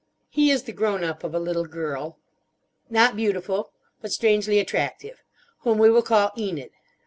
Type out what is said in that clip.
He is the grown up of a little girl: "Not beautiful. But strangely attractive. Whom we will call Enid."